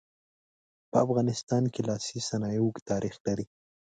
په افغانستان کې لاسي صنایع اوږد تاریخ لري.